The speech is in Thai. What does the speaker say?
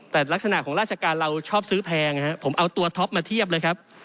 แต่ลักษณะของราชการเราชอบซื้อแพงผมเอาตัวท็อปมาเทียบเลยครับ